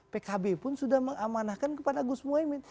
pkb pun sudah amanahkan kepada gus moemin